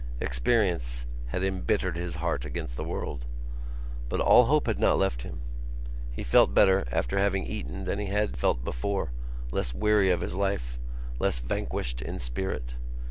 Experience had embittered his heart against the world. But all hope had not left him. He felt better after having eaten than he had felt before, less weary of his life, less vanquished in spirit.